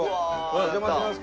お邪魔します。